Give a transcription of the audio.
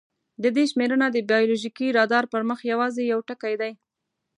د دې شمېرنه د بایولوژیکي رادار پر مخ یواځې یو ټکی دی.